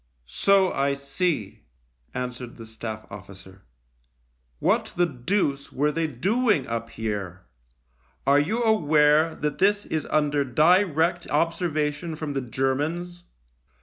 "So I see," answered the Staff officer. " What the deuce were they doing up here ? Are you aware that this is under direct observation from the Germans